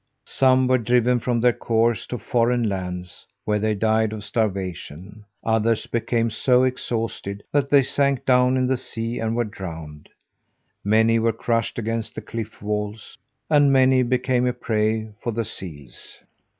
Some were driven from their course to foreign lands, where they died of starvation; others became so exhausted that they sank down in the sea and were drowned. Many were crushed against the cliff walls, and many became a prey for the seals.